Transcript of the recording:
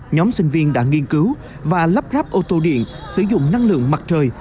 nhóm sinh viên đã nghiên cứu và lắp ráp ô tô điện sử dụng năng lượng mặt trời